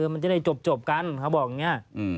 มันจะได้จบกันเขาบอกอย่างนี้